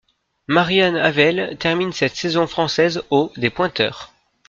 Marian Havel termine cette saison française au des pointeurs.